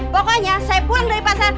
pokoknya saya pulang dari pasar